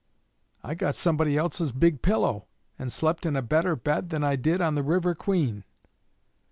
I got somebody else's big pillow, and slept in a better bed than I did on the "River Queen."'